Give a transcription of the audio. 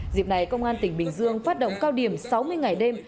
dịp này công an tỉnh bình dương phát động cao điểm sáu mươi ngày đêm